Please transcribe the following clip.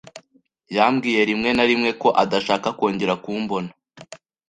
Yambwiye rimwe na rimwe ko adashaka kongera kumbona.